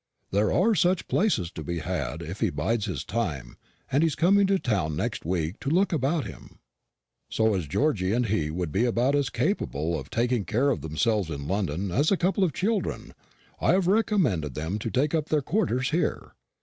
There are such places to be had if he bides his time, and he's coming to town next week to look about him. So, as Georgy and he would be about as capable of taking care of themselves in London as a couple of children, I have recommended them to take up their quarters here.